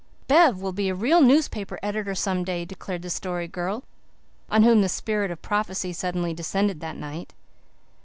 "Bev will be a real newspaper editor some day," declared the Story Girl, on whom the spirit of prophecy suddenly descended that night.